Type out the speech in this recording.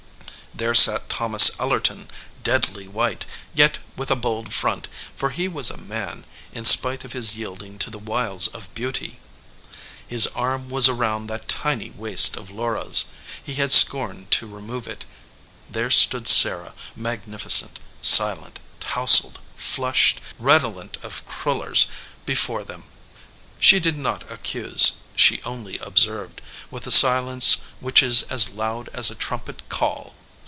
There sat Thomas Ellerton, deadly white, yet with a bold front, for he was a man in spite of his yielding to the wiles of beauty. His arm was around that tiny waist of Laura s. He had scorned to remove it. There stood Sarah, magnificent, silent, tousled, flushed, redolent of crullers, before them. She did not accuse. She only observed, with the silence which is as loud as a trumpet call!